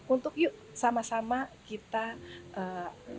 untuk yuk sama sama kita